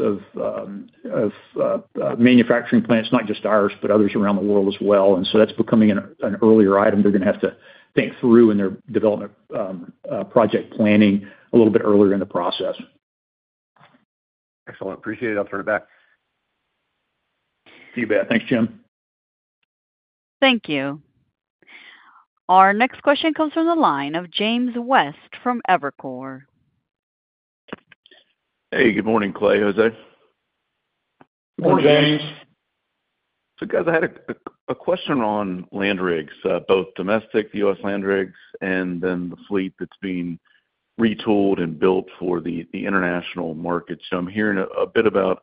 of manufacturing plants, not just ours, but others around the world as well. And so that's becoming an earlier item they're gonna have to think through in their development project planning a little bit earlier in the process. Excellent. Appreciate it. I'll turn it back. You bet. Thanks, Jim. Thank you. Our next question comes from the line of James West from Evercore. Hey, good morning, Clay, Jose. Morning, James. So guys, I had a question on land rigs, both domestic, the U.S. land rigs, and then the fleet that's being retooled and built for the international market. So I'm hearing a bit about,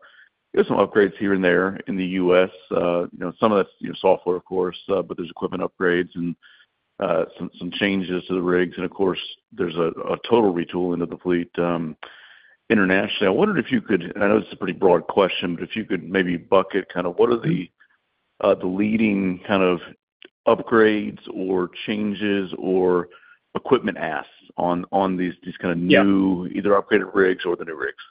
there's some upgrades here and there in the U.S., you know, some of that's, you know, software, of course, but there's equipment upgrades and some changes to the rigs. And of course, there's a total retool into the fleet, internationally. I wondered if you could, and I know this is a pretty broad question, but if you could maybe bucket kind of what are the leading kind of upgrades or changes or equipment asks on these kind of new. Yeah Either upgraded rigs or the new rigs?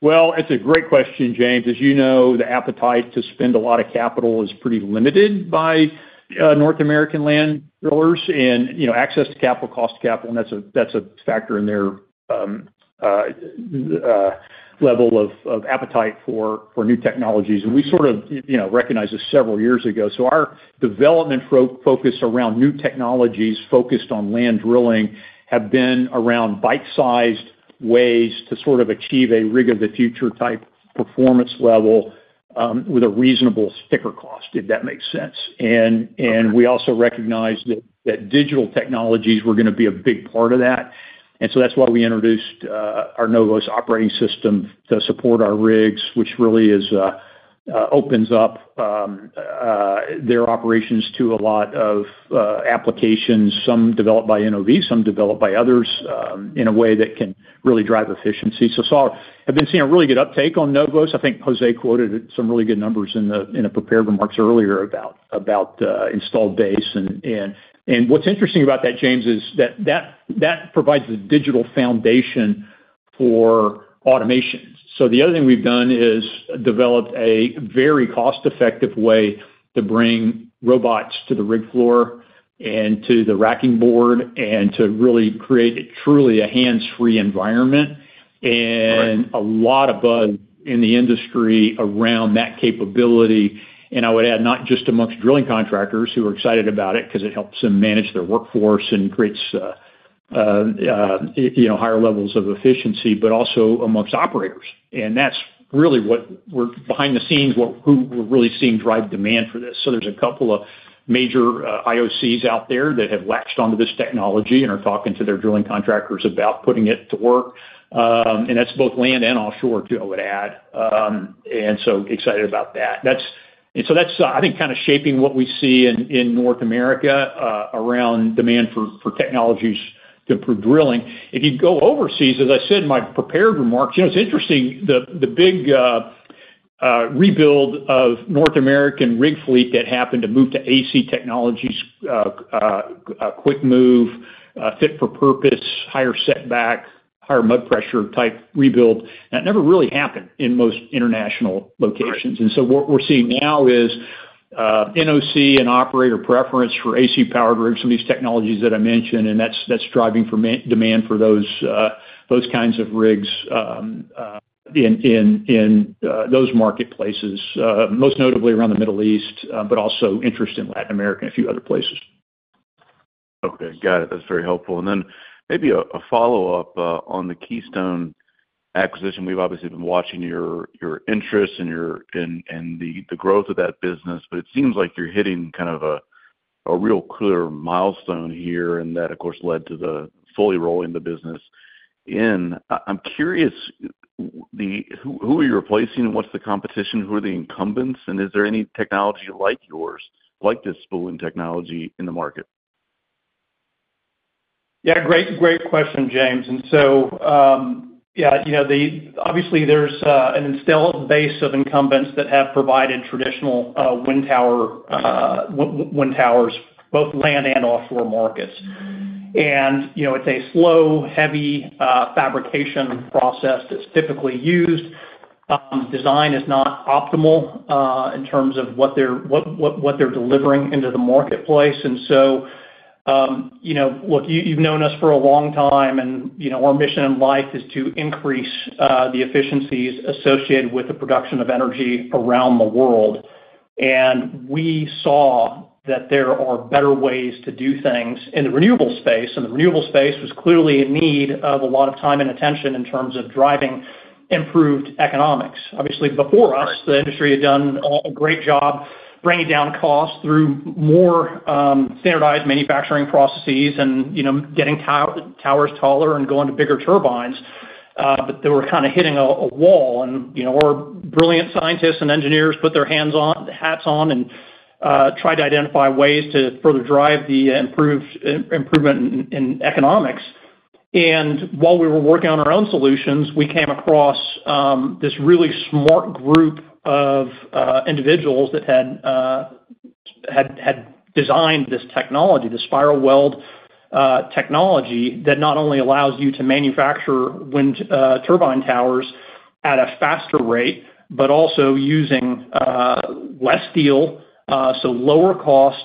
Well, it's a great question, James. As you know, the appetite to spend a lot of capital is pretty limited by, North American land drillers and, you know, access to capital, cost to capital, and that's a factor in their level of appetite for new technologies. And we sort of, you know, recognized this several years ago. So our development focus around new technologies focused on land drilling have been around bite-sized ways to sort of achieve a rig-of-the-future type... performance level, with a reasonable sticker cost, if that makes sense. And we also recognized that digital technologies were gonna be a big part of that. And so that's why we introduced our NOVOS operating system to support our rigs, which really is opens up their operations to a lot of applications, some developed by NOV, some developed by others, in a way that can really drive efficiency. So I've been seeing a really good uptake on NOVOS. I think Jose quoted some really good numbers in the prepared remarks earlier about installed base. And what's interesting about that, James, is that that provides a digital foundation for automation. So the other thing we've done is developed a very cost-effective way to bring robots to the rig floor and to the racking board, and to really create truly a hands-free environment. Right. A lot of buzz in the industry around that capability. And I would add, not just amongst drilling contractors, who are excited about it because it helps them manage their workforce and creates, you know, higher levels of efficiency, but also amongst operators. And that's really what we're behind the scenes, what, who we're really seeing drive demand for this. So there's a couple of major IOCs out there that have latched onto this technology and are talking to their drilling contractors about putting it to work. And that's both land and offshore, too, I would add. And so excited about that. That's and so that's, I think, kind of shaping what we see in North America around demand for technologies to improve drilling. If you go overseas, as I said in my prepared remarks, you know, it's interesting, the big rebuild of North American rig fleet that happened to move to AC technologies, a quick move, fit for purpose, higher setback, higher mud pressure type rebuild. That never really happened in most international locations. Right. And so what we're seeing now is NOC and operator preference for AC powered rigs, some of these technologies that I mentioned, and that's driving more demand for those kinds of rigs in those marketplaces, most notably around the Middle East, but also interest in Latin America and a few other places. Okay, got it. That's very helpful. And then maybe a follow-up on the Keystone acquisition. We've obviously been watching your interest and the growth of that business, but it seems like you're hitting kind of a real clear milestone here, and that, of course, led to fully rolling the business in. I'm curious who are you replacing, and what's the competition? Who are the incumbents, and is there any technology like yours, like this spooling technology, in the market? Yeah, great, great question, James. And so, yeah, you know, the—obviously, there's an installed base of incumbents that have provided traditional wind tower, wind towers, both land and offshore markets. And, you know, it's a slow, heavy fabrication process that's typically used. Design is not optimal in terms of what they're delivering into the marketplace. And so, you know, look, you've known us for a long time, and, you know, our mission in life is to increase the efficiencies associated with the production of energy around the world. And we saw that there are better ways to do things in the renewable space, and the renewable space was clearly in need of a lot of time and attention in terms of driving improved economics. Obviously, before us, the industry had done a great job bringing down costs through more standardized manufacturing processes and, you know, getting to towers taller and going to bigger turbines. But they were kind of hitting a wall. And, you know, our brilliant scientists and engineers put their hats on and tried to identify ways to further drive the improvement in economics. And while we were working on our own solutions, we came across this really smart group of individuals that had designed this technology, the spiral weld technology, that not only allows you to manufacture wind turbine towers at a faster rate, but also using less steel, so lower cost,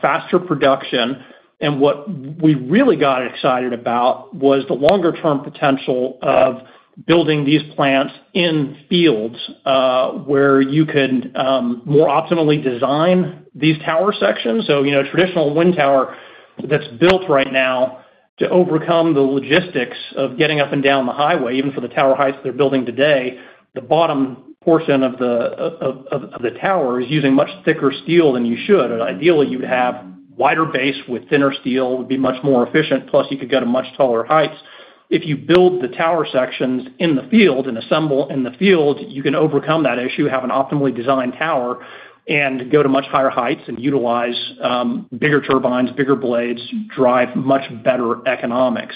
faster production. What we really got excited about was the longer term potential of building these plants in fields where you could more optimally design these tower sections. So, you know, traditional wind tower that's built right now to overcome the logistics of getting up and down the highway, even for the tower heights they're building today, the bottom portion of the tower is using much thicker steel than you should. And ideally, you'd have wider base with thinner steel, would be much more efficient, plus you could go to much taller heights. If you build the tower sections in the field and assemble in the field, you can overcome that issue, have an optimally designed tower, and go to much higher heights and utilize bigger turbines, bigger blades, drive much better economics.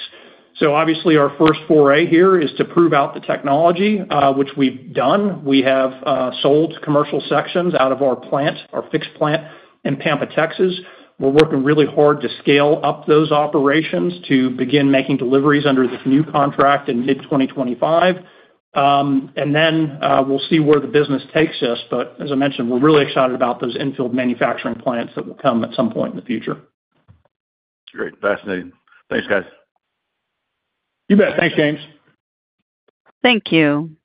So obviously, our first foray here is to prove out the technology, which we've done. We have sold commercial sections out of our plant, our fixed plant in Pampa, Texas. We're working really hard to scale up those operations to begin making deliveries under this new contract in mid-2025. And then, we'll see where the business takes us. But as I mentioned, we're really excited about those in-field manufacturing plants that will come at some point in the future. Great. Fascinating. Thanks, guys. You bet. Thanks, James. Thank you.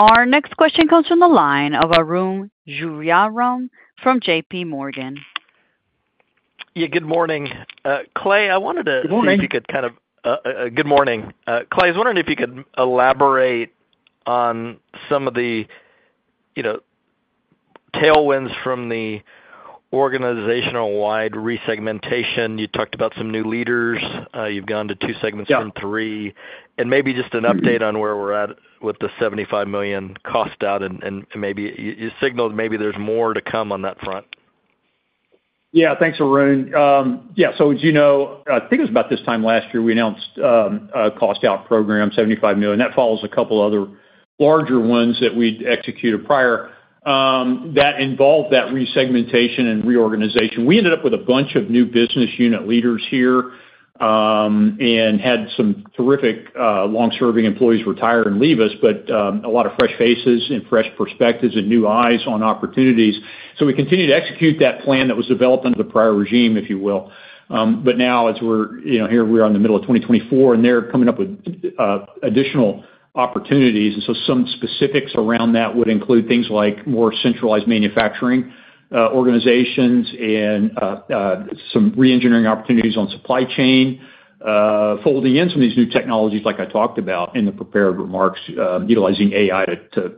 Our next question comes from the line of Arun Jayaram from JPMorgan. Yeah, good morning. Clay, I wanted to. Good morning. Good morning. Clay, I was wondering if you could elaborate on some of the, you know, tailwinds from the organizational-wide resegmentation. You talked about some new leaders. You've gone to two segments- Yeah. From three, and maybe just an update on where we're at with the $75 million cost out, and maybe you signaled maybe there's more to come on that front. Yeah, thanks, Arun. Yeah, so as you know, I think it was about this time last year, we announced a cost-out program, $75 million. That follows a couple other larger ones that we'd executed prior, that involved that resegmentation and reorganization. We ended up with a bunch of new business unit leaders here, and had some terrific, long-serving employees retire and leave us, but a lot of fresh faces and fresh perspectives and new eyes on opportunities. So we continued to execute that plan that was developed under the prior regime, if you will. But now, as we're, you know, here, we are in the middle of 2024, and they're coming up with additional opportunities. So some specifics around that would include things like more centralized manufacturing organizations and some reengineering opportunities on supply chain, folding in some of these new technologies, like I talked about in the prepared remarks, utilizing AI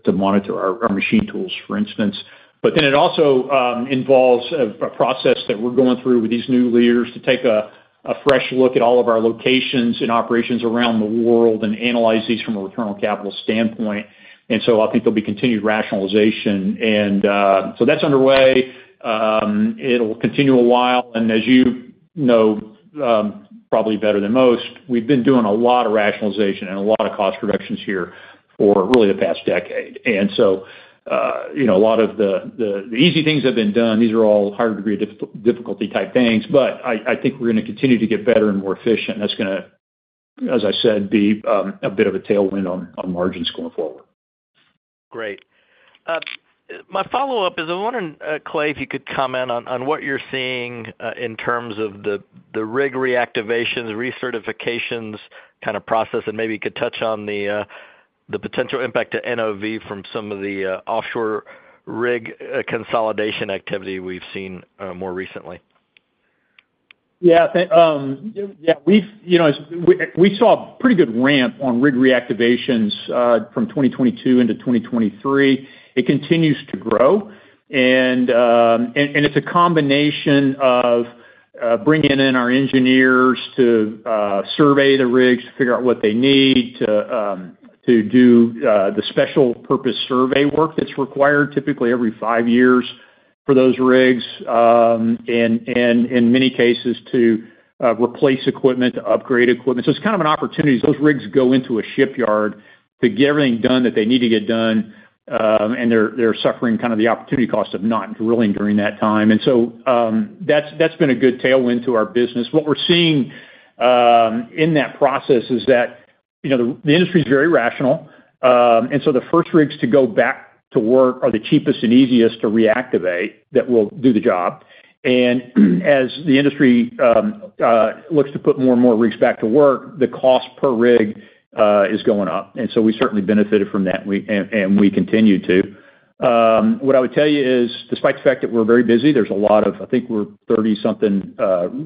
to monitor our machine tools, for instance. But then it also involves a process that we're going through with these new leaders to take a fresh look at all of our locations and operations around the world and analyze these from a return on capital standpoint. So I think there'll be continued rationalization. And so that's underway. It'll continue a while, and as you know, probably better than most, we've been doing a lot of rationalization and a lot of cost reductions here for really the past decade. So, you know, a lot of the easy things have been done. These are all higher degree difficulty type things, but I think we're gonna continue to get better and more efficient, and that's gonna, as I said, be a bit of a tailwind on margins going forward. Great. My follow-up is, I'm wondering, Clay, if you could comment on, on what you're seeing, in terms of the, the rig reactivations, recertifications kind of process, and maybe you could touch on the, the potential impact to NOV from some of the, offshore rig, consolidation activity we've seen, more recently. Yeah, yeah, we've, you know, as we saw a pretty good ramp on rig reactivations from 2022 into 2023. It continues to grow, and it's a combination of bringing in our engineers to survey the rigs to figure out what they need, to do the Special Purpose Survey work that's required typically every five years for those rigs, and in many cases to replace equipment, to upgrade equipment. So it's kind of an opportunity. Those rigs go into a shipyard to get everything done that they need to get done, and they're suffering kind of the opportunity cost of not drilling during that time. And so, that's been a good tailwind to our business. What we're seeing in that process is that, you know, the industry is very rational, and so the first rigs to go back to work are the cheapest and easiest to reactivate that will do the job. And as the industry looks to put more and more rigs back to work, the cost per rig is going up, and so we certainly benefited from that, we and we continue to. What I would tell you is despite the fact that we're very busy, there's a lot of... I think we're 30-something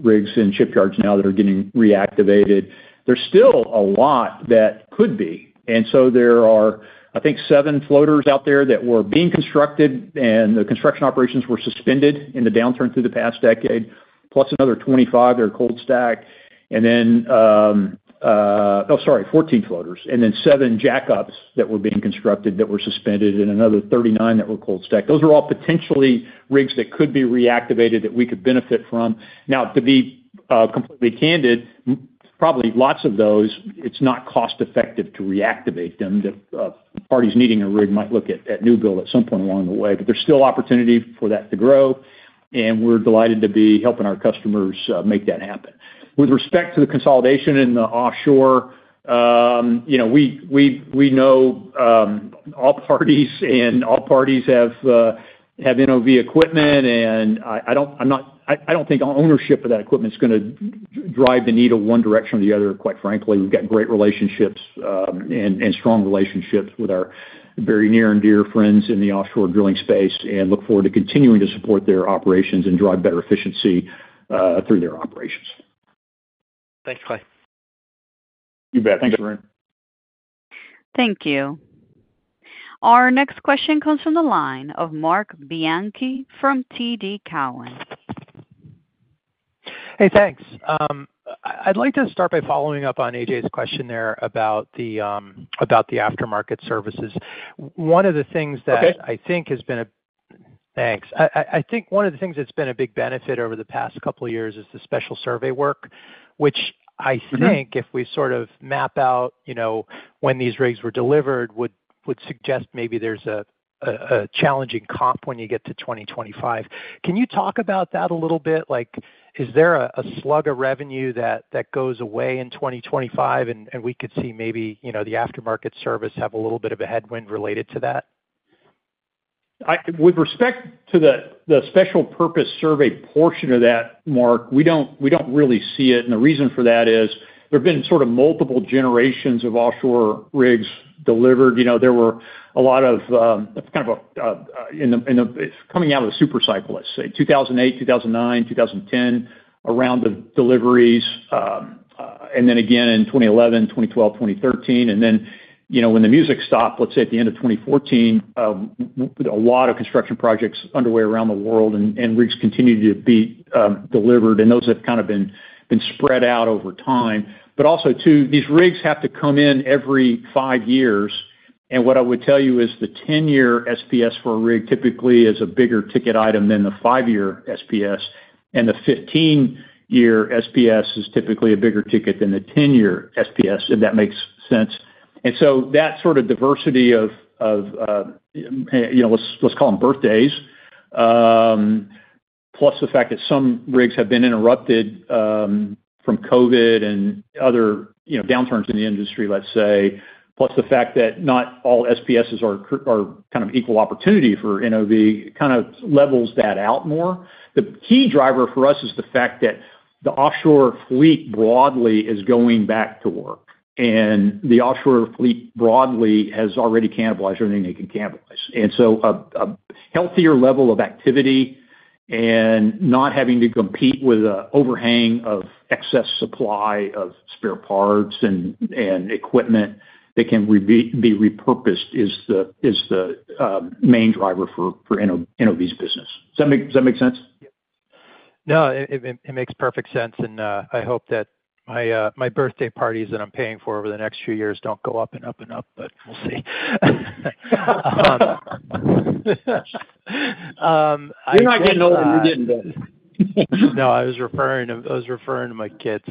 rigs in shipyards now that are getting reactivated. There's still a lot that could be. There are, I think, 7 floaters out there that were being constructed, and the construction operations were suspended in the downturn through the past decade, plus another 25 that are cold stacked, and then 14 floaters, and then seven jackups that were being constructed that were suspended, and another 39 that are cold stacked. Those are all potentially rigs that could be reactivated, that we could benefit from. Now, to be completely candid, probably lots of those, it's not cost effective to reactivate them. The parties needing a rig might look at new build at some point along the way, but there's still opportunity for that to grow, and we're delighted to be helping our customers make that happen. With respect to the consolidation in the offshore, you know, we know all parties, and all parties have NOV equipment, and I don't think ownership of that equipment is gonna drive the needle one direction or the other, quite frankly. We've got great relationships, and strong relationships with our very near and dear friends in the offshore drilling space, and look forward to continuing to support their operations and drive better efficiency through their operations. Thanks, Clay. You bet. Thanks, Arun. Thank you. Our next question comes from the line of Mark Bianchi from TD Cowen. Hey, thanks. I'd like to start by following up on AJ's question there about the aftermarket services. One of the things that- Okay. Thanks. I think one of the things that's been a big benefit over the past couple of years is the special survey work, which I think- Mm-hmm. If we sort of map out, you know, when these rigs were delivered, would suggest maybe there's a challenging comp when you get to 2025. Can you talk about that a little bit? Like, is there a slug of revenue that goes away in 2025, and we could see maybe, you know, the aftermarket service have a little bit of a headwind related to that? I, with respect to the special purpose survey portion of that, Mark, we don't, we don't really see it, and the reason for that is there have been sort of multiple generations of offshore rigs delivered. You know, there were a lot of kind of in the coming out of the super cycle, let's say, 2008, 2009, 2010, around the deliveries. And then again in 2011, 2012, 2013. And then, you know, when the music stopped, let's say, at the end of 2014, a lot of construction projects underway around the world and rigs continued to be delivered, and those have kind of been spread out over time. But also, too, these rigs have to come in every five years. What I would tell you is the 10-year SPS for a rig typically is a bigger ticket item than the five-year SPS, and the 15-year SPS is typically a bigger ticket than the 10-year SPS, if that makes sense. So that sort of diversity of, you know, let's call them birthdays, plus the fact that some rigs have been interrupted from COVID and other, you know, downturns in the industry, let's say, plus the fact that not all SPSs are kind of equal opportunity for NOV, kind of levels that out more. The key driver for us is the fact that the offshore fleet broadly is going back to work, and the offshore fleet broadly has already cannibalized everything they can cannibalize. And so a healthier level of activity and not having to compete with an overhang of excess supply of spare parts and equipment that can be repurposed is the main driver for NOV's business. Does that make sense? No, it makes perfect sense, and I hope that my birthday parties that I'm paying for over the next few years don't go up and up and up, but we'll see. I. You're not getting older, you're getting better. No, I was referring to my kids.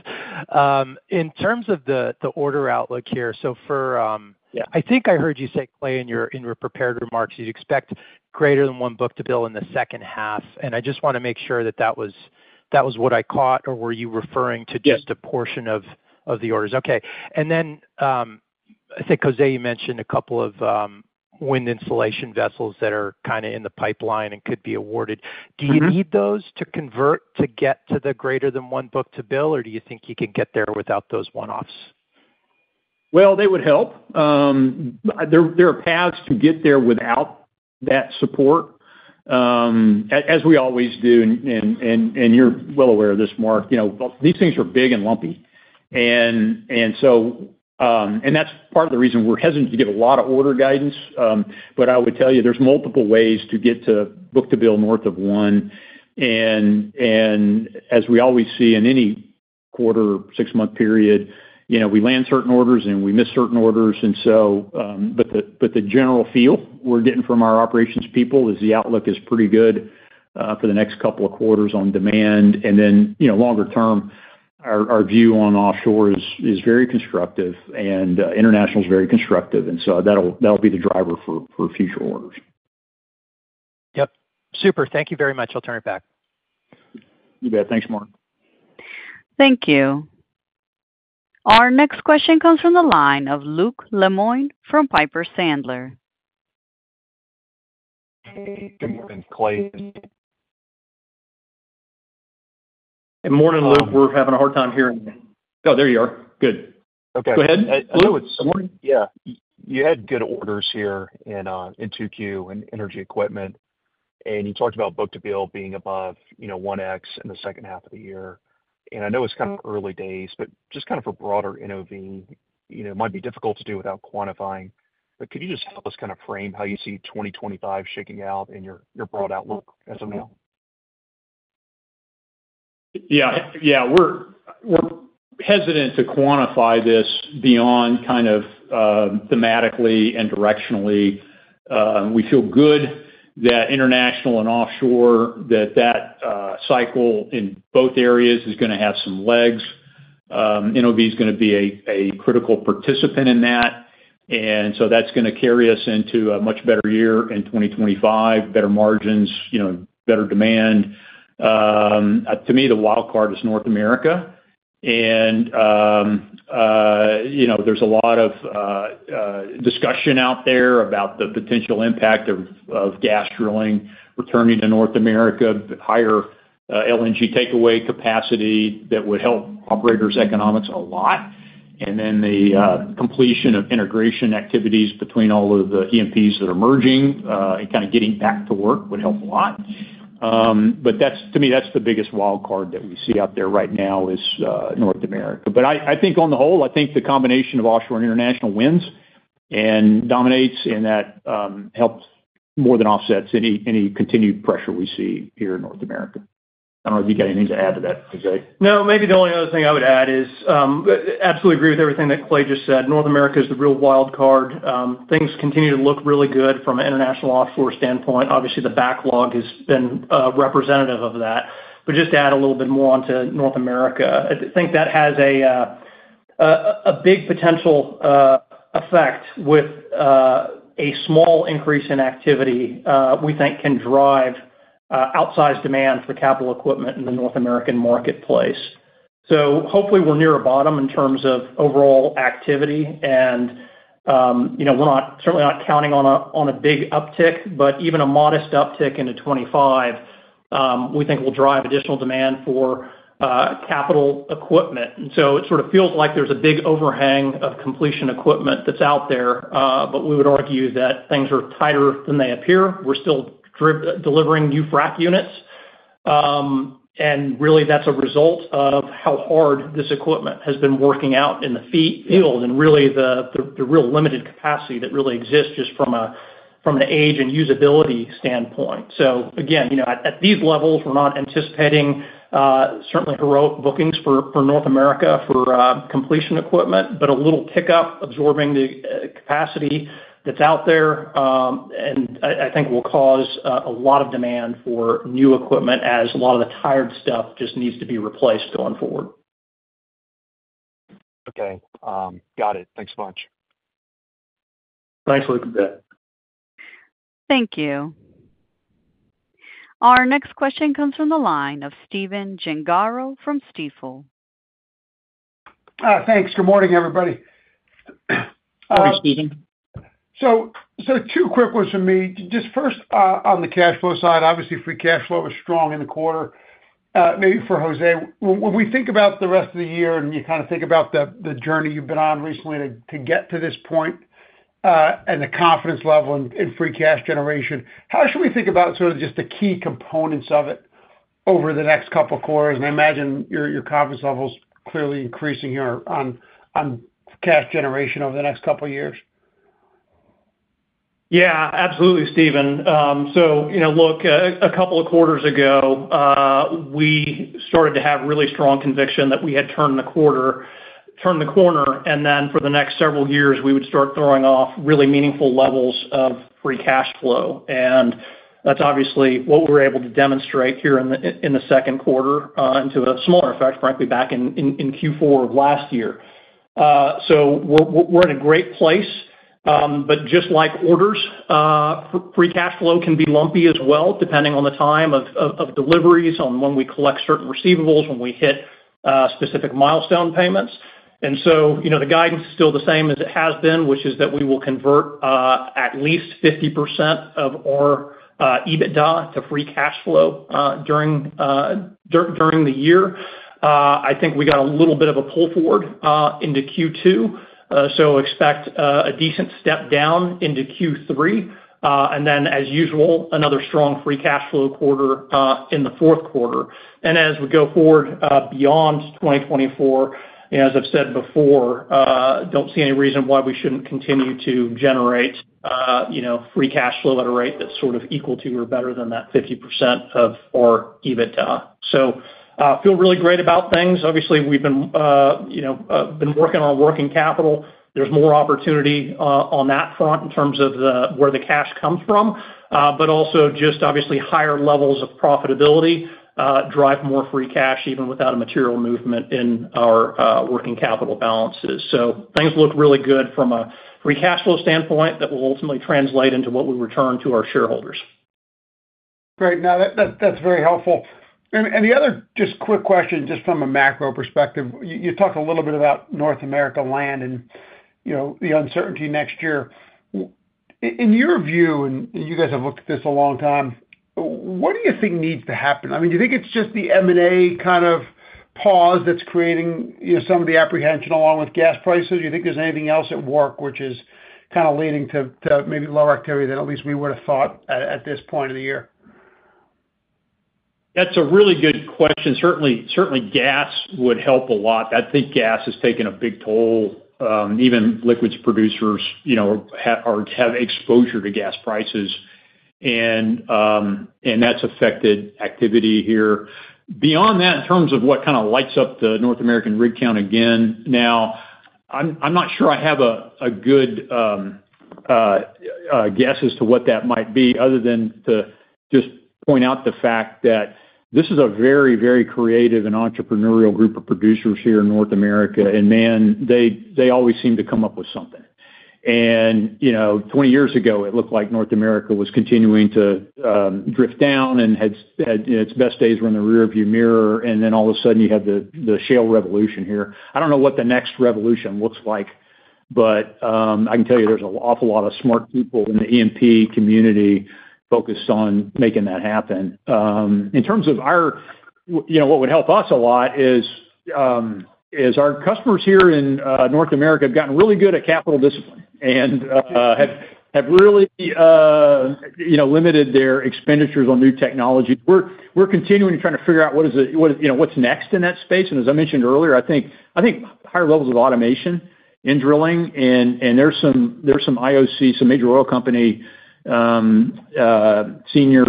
In terms of the order outlook here, so for- Yeah. I think I heard you say, Clay, in your prepared remarks, you'd expect greater than one book-to-bill in the second half, and I just wanna make sure that was what I caught. Or were you referring to- Yes Just a portion of the orders? Okay. And then, I think, Jose, you mentioned a couple of wind installation vessels that are kind of in the pipeline and could be awarded. Mm-hmm. Do you need those to convert to get to the greater than one book-to-bill, or do you think you can get there without those one-offs? Well, they would help. There are paths to get there without that support. As we always do, and you're well aware of this, Mark, you know, these things are big and lumpy. And so, that's part of the reason we're hesitant to give a lot of order guidance. But I would tell you, there's multiple ways to get to book-to-bill north of one. And as we always see in any quarter, six-month period, you know, we land certain orders, and we miss certain orders, and so... But the general feel we're getting from our operations people is the outlook is pretty good for the next couple of quarters on demand. Then, you know, longer term, our view on offshore is very constructive, and international is very constructive, and so that'll be the driver for future orders. Yep. Super. Thank you very much. I'll turn it back. You bet. Thanks, Mark. Thank you. Our next question comes from the line of Luke Lemoine from Piper Sandler. Good morning, Clay. Good morning, Luke. We're having a hard time hearing you. Oh, there you are. Good. Okay. Go ahead, Luke. Morning. Yeah. You had good orders here in, in 2Q in energy equipment, and you talked about book-to-bill being above, you know, 1x in the second half of the year. And I know it's kind of early days, but just kind of for broader NOV, you know, it might be difficult to do without quantifying, but could you just help us kind of frame how you see 2025 shaking out in your, your broad outlook as of now? We're hesitant to quantify this beyond kind of thematically and directionally. We feel good that international and offshore cycle in both areas is gonna have some legs. NOV is gonna be a critical participant in that, and so that's gonna carry us into a much better year in 2025, better margins, you know, better demand. To me, the wild card is North America. And you know, there's a lot of discussion out there about the potential impact of gas drilling returning to North America, higher LNG takeaway capacity that would help operators' economics a lot. And then the completion of integration activities between all of the E&Ps that are merging and kind of getting back to work would help a lot. But that's to me, that's the biggest wild card that we see out there right now is North America. But I, I think on the whole, I think the combination of offshore and international wins and dominates, and that helps more than offsets any continued pressure we see here in North America. I don't know if you got anything to add to that, Jose. No, maybe the only other thing I would add is, absolutely agree with everything that Clay just said. North America is the real wild card. Things continue to look really good from an international offshore standpoint. Obviously, the backlog has been representative of that. But just to add a little bit more onto North America, I think that has a big potential effect with a small increase in activity, we think can drive outsized demand for capital equipment in the North American marketplace. So hopefully we're near a bottom in terms of overall activity, and, you know, we're not, certainly not counting on a, on a big uptick, but even a modest uptick into 25, we think will drive additional demand for, capital equipment. And so it sort of feels like there's a big overhang of completion equipment that's out there, but we would argue that things are tighter than they appear. We're still delivering new frac units. And really, that's a result of how hard this equipment has been working out in the field, and really, the real limited capacity that really exists just from an age and usability standpoint. So again, you know, at these levels, we're not anticipating certainly heroic bookings for North America for completion equipment, but a little pickup absorbing the capacity that's out there, and I think will cause a lot of demand for new equipment as a lot of the tired stuff just needs to be replaced going forward. Okay, got it. Thanks so much. Thanks, Luke. Thank you. Our next question comes from the line of Stephen Gengaro from Stifel. Thanks. Good morning, everybody. Good morning, Stephen. So, two quick ones from me. Just first, on the cash flow side, obviously, free cash flow was strong in the quarter. Maybe for Jose, when we think about the rest of the year, and you kind of think about the journey you've been on recently to get to this point, and the confidence level in free cash generation, how should we think about sort of just the key components of it over the next couple of quarters? And I imagine your confidence level's clearly increasing here on cash generation over the next couple of years. Yeah, absolutely, Stephen. So you know, look, a couple of quarters ago, we started to have really strong conviction that we had turned the quarter, turned the corner, and then for the next several years, we would start throwing off really meaningful levels of free cash flow. And that's obviously what we're able to demonstrate here in the second quarter, and to a smaller effect, frankly, back in Q4 of last year. So we're in a great place, but just like orders, free cash flow can be lumpy as well, depending on the time of deliveries, on when we collect certain receivables, when we hit specific milestone payments. So, you know, the guidance is still the same as it has been, which is that we will convert at least 50% of our EBITDA to free cash flow during the year. I think we got a little bit of a pull forward into Q2, so expect a decent step down into Q3, and then, as usual, another strong free cash flow quarter in the fourth quarter. And as we go forward beyond 2024, as I've said before, don't see any reason why we shouldn't continue to generate, you know, free cash flow at a rate that's sort of equal to or better than that 50% of our EBITDA. So, feel really great about things. Obviously, we've been, you know, working on working capital. There's more opportunity on that front in terms of where the cash comes from, but also just obviously higher levels of profitability drive more free cash, even without a material movement in our working capital balances. So things look really good from a free cash flow standpoint that will ultimately translate into what we return to our shareholders. Great. Now, that's very helpful. And the other just quick question, just from a macro perspective, you talked a little bit about North America land and, you know, the uncertainty next year. In your view, and you guys have looked at this a long time, what do you think needs to happen? I mean, do you think it's just the M&A kind of pause that's creating, you know, some of the apprehension along with gas prices? Do you think there's anything else at work which is kind of leading to maybe lower activity than at least we would've thought at this point in the year? That's a really good question. Certainly gas would help a lot. I think gas has taken a big toll, even liquids producers, you know, have exposure to gas prices, and that's affected activity here. Beyond that, in terms of what kind of lights up the North American rig count again, now, I'm not sure I have a good guess as to what that might be, other than to just point out the fact that this is a very, very creative and entrepreneurial group of producers here in North America, and man, they always seem to come up with something. You know, 20 years ago, it looked like North America was continuing to drift down and had, you know, its best days were in the rearview mirror, and then all of a sudden, you had the shale revolution here. I don't know what the next revolution looks like, but I can tell you there's an awful lot of smart people in the E&P community focused on making that happen. In terms of our, what would help us a lot is our customers here in North America have gotten really good at capital discipline, and have really, you know, limited their expenditures on new technology. We're continuing trying to figure out what is the, what is, you know, what's next in that space. As I mentioned earlier, I think higher levels of automation in drilling, and there's some IOC, some major oil company, senior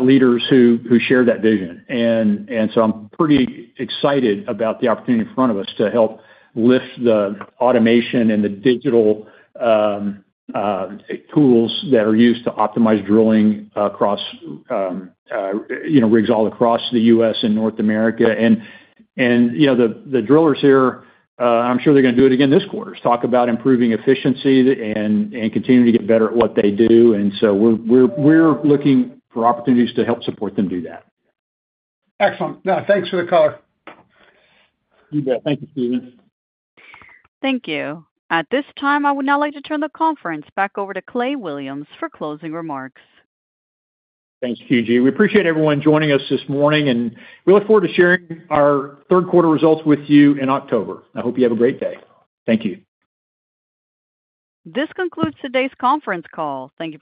leaders who share that vision. And so I'm pretty excited about the opportunity in front of us to help lift the automation and the digital tools that are used to optimize drilling across, you know, rigs all across the U.S. and North America. And, you know, the drillers here, I'm sure they're gonna do it again this quarter, talk about improving efficiency and continuing to get better at what they do, and so we're looking for opportunities to help support them do that. Excellent. Now, thanks for the call. You bet. Thank you, Stephen. Thank you. At this time, I would now like to turn the conference back over to Clay Williams for closing remarks. Thanks, KG. We appreciate everyone joining us this morning, and we look forward to sharing our third quarter results with you in October. I hope you have a great day. Thank you. This concludes today's conference call. Thank you for.